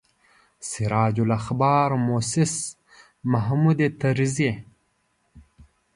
سراج الاخبار موسس محمود طرزي.